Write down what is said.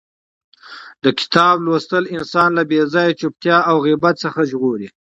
د کتاب لوستل انسان له بې ځایه چتیاو او غیبت څخه ژغوري.